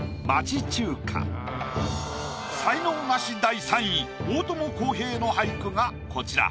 才能ナシ第３位大友康平の俳句がこちら。